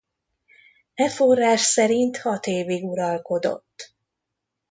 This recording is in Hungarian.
E forrás szerint hat évig uralkodott.